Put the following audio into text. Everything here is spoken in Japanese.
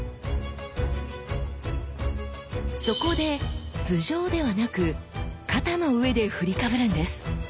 そこで頭上ではなく肩の上で振りかぶるんです。